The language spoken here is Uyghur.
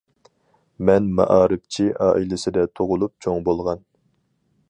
مەن مائارىپچى ئائىلىسىدە تۇغۇلۇپ چوڭ بولغان.